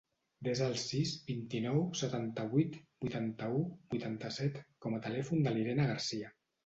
Desa el sis, vint-i-nou, setanta-vuit, vuitanta-u, vuitanta-set com a telèfon de l'Irene Garcia.